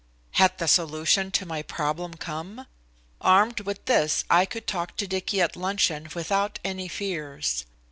Had the solution to my problem come? Armed with this I could talk to Dicky at luncheon without any fears.